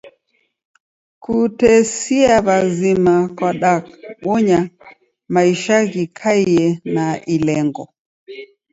Kutesia w'azima kwadabonya maisha ghikaiye na ilengo.